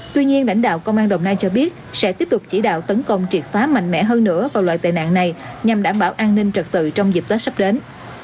tuy nhiên lãnh đạo công an đồng nai cho biết sẽ tiếp tục chỉ đạo tấn công triệt phá mạnh mẽ hơn nữa vào loại tệ nạn này nhằm đảm bảo an ninh trật tự trong dịp tết sắp đến